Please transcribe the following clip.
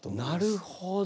なるほど。